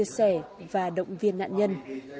sẻ và động viên nạn nhân